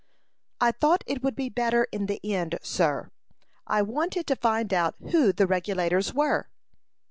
"I thought it would be better in the end, sir. I wanted to find out who the Regulators were."